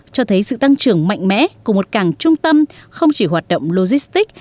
cho thấy sự tăng trưởng mạnh mẽ của một cảng trung tâm không chỉ hoạt động logistics